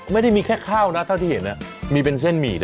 ไม่ได้มีแค่ข้าวนะเท่าที่เห็นมีเป็นเส้นหมี่นะ